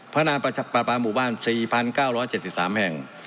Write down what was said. พัฒนาประชักประปาบุบัน๔๙๗๓แห่ง